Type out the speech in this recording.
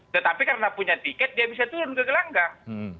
tetapi karena punya tiket dia bisa turun ke gelanggang